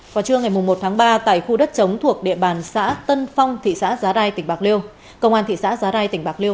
vào trưa ngày một tháng ba tại khu đất chống thuộc địa bàn xã tân phong thị xã giá đai tỉnh bạc liêu